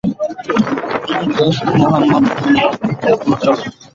তিনি দোস্ত মুহাম্মদ খানের তৃতীয় পুত্র।